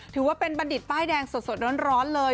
ถือว่าเป็นบัณฑิตป้ายแดงสดร้อนเลย